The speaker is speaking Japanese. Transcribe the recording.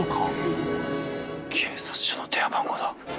警察署の電話番号だ。